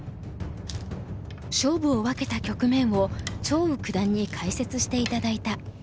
勝負を分けた局面を張栩九段に解説して頂いた。